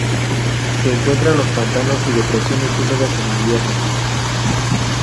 Se encuentra en los pantanos y depresiones húmedas en invierno.